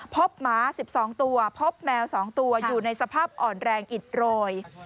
หมา๑๒ตัวพบแมว๒ตัวอยู่ในสภาพอ่อนแรงอิดโรย